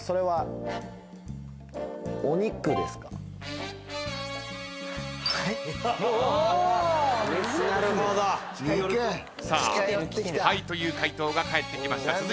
「はい」という回答が返ってきました。